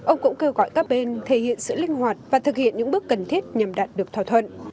ông cũng kêu gọi các bên thể hiện sự linh hoạt và thực hiện những bước cần thiết nhằm đạt được thỏa thuận